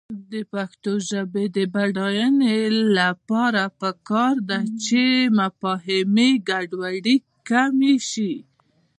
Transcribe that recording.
د پښتو ژبې د بډاینې لپاره پکار ده چې مفاهمې ګډوډي کمې شي.